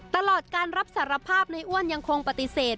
ตลอดการรับสารภาพในอ้วนยังคงปฏิเสธ